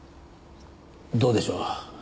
どうでしょう。